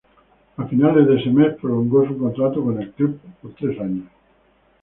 A finales de ese mes, prolongó su contrato con el club por tres años.